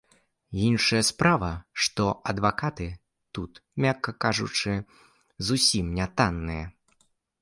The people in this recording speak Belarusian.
Іншая справа, што адвакаты тут, мякка кажучы, зусім не танныя.